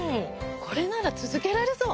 これなら続けられそう！